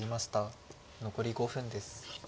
残り５分です。